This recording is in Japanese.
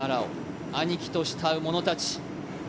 漆原を兄貴と慕う者たち。